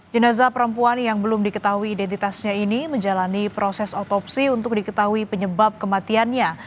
jenazah perempuan yang belum diketahui identitasnya ini menjalani proses otopsi untuk diketahui penyebab kematiannya